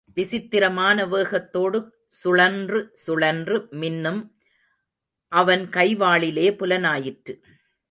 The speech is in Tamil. விசித்திரமான வேகத்தோடு சுழன்று சுழன்று மின்னும் அவன் கைவாளிலே புலனாயிற்று.